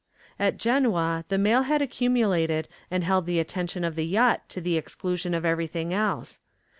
At Genoa the mail had accumulated and held the attention of the yacht to the exclusion of everything else.